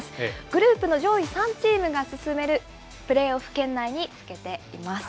グループの上位３チームが進めるプレーオフ圏内につけています。